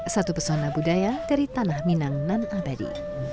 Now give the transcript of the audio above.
satu pesona budaya dari tanah minang nan abadi